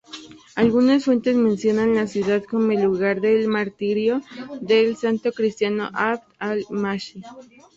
Algunas fuentes mencionan la ciudad como el lugar del martirio del santo cristiano Abd-al-Masih.